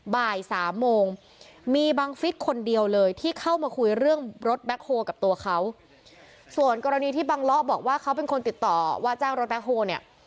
บ่ายสามโมงมีบังฟิศคนเดียวเลยที่เข้ามาคุยเรื่องรถแบ็คโฮลกับตัวเขาส่วนกรณีที่บังเลาะบอกว่าเขาเป็นคนติดต่อว่าจ้างรถแคคโฮเนี่ย